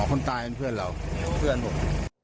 คนตายเป็นเพื่อนเราเพื่อนผม